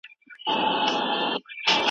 کمپيوټر فولډر خلاصوي.